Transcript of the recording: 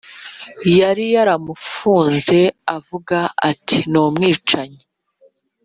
yari yaramufunze avuga ati numwicanyi